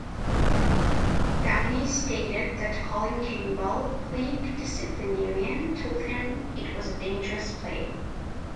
Downie stated that Colin Campbell, League disciplinarian, told him it was a dangerous play.